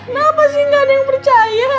kenapa sih gak ada yang percaya